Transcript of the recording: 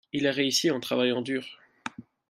il a réussi en travaillant dur.